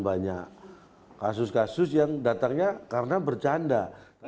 banyak kasus kasus yang datangnya karena bercanda